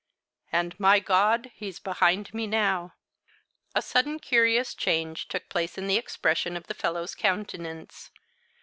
And, my God! he's behind me now." A sudden curious change took place in the expression of the fellow's countenance.